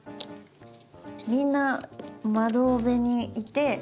みんな窓辺にいて。